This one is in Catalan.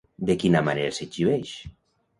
De quina manera s'exhibeix?